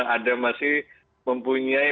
ada masih mempunyai